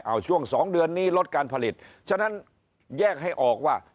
เอาช่วง๒เดือนนี้ลดการผลิตฉะนั้นแยกให้ออกว่า